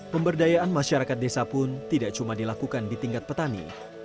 pemberdayaan masyarakat desa pun tidak cuma dilakukan di tingkat petani